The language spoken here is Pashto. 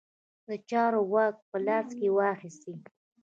د چارو واګې په لاس کې واخیستې.